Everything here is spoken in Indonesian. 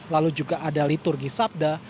lalu juga ada liturgi sabda